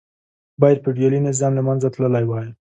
باید فیوډالي نظام له منځه تللی وای.